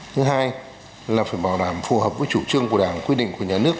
thứ hai là phải bảo đảm phù hợp với chủ trương của đảng quy định của nhà nước